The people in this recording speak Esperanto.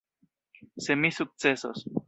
Se mi sukcesos.